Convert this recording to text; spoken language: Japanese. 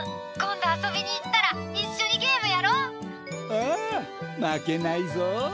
ああ負けないぞ！